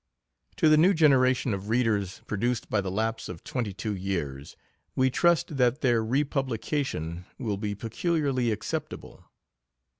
To the new generation of readers produced by the a2 IV lapse of twenty two years, we trust that their republication will be peculiarly acceptable.